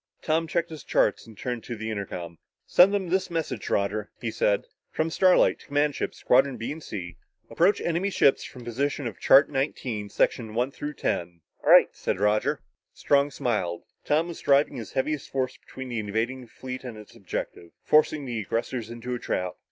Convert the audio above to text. Tom checked his charts and turned to the intercom. "Send them this message, Roger," he said. "From Starlight, to command ship, Squadrons B and C approach enemy ships from position of chart nineteen, sections one through ten." "Right!" said Roger. Strong smiled. Tom was driving his heaviest force between the invading fleet and its objective forcing the aggressors into a trap.